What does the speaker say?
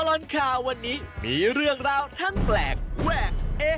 ตลอดข่าววันนี้มีเรื่องราวทั้งแปลกแวกเอ๊